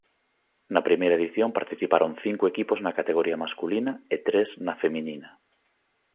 Na primeira edición participaron cinco equipos na categoría masculina e tres na feminina.